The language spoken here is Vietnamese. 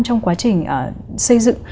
trong quá trình xây dựng